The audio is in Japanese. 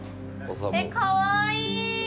かわいい！